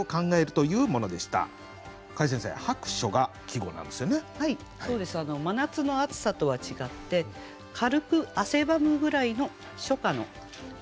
そうです真夏の暑さとは違って軽く汗ばむぐらいの初夏の季語ですね。